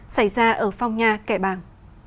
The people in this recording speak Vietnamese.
xảy ra ở phong nhà kẻ bàng